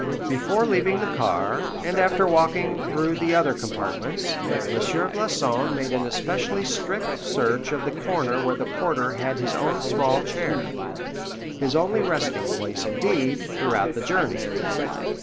Before leaving the car, and after walking through the other compartments, M. Floçon made an especially strict search of the corner where the porter had his own small chair, his only resting place, indeed, throughout the journey.